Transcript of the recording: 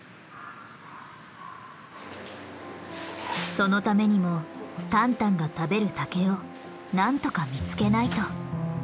そのためにもタンタンが食べる竹をなんとか見つけないと。